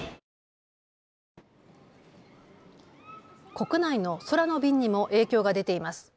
国内の空の便にも影響が出ています。